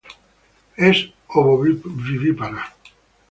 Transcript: Es ovovivípara.